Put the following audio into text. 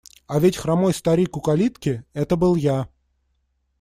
А ведь хромой старик у калитки – это был я.